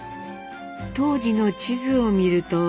当時の地図を見ると。